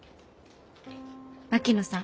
槙野さん